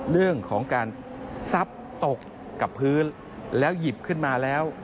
เรื่องของการซับตกกับพื้นแล้วหยิบขึ้นมาแล้ว